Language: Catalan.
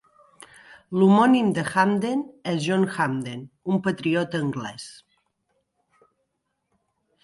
L'homònim de Hampden és John Hampden, un patriota anglès.